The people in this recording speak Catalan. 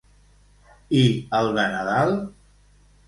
I el de Nadal?